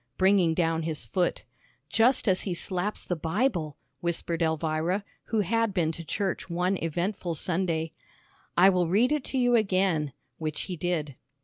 bringing down his foot, "Just as he slaps the Bible," whispered Elvira, who had been to church one eventful Sunday. "I will read it to you again," which he did.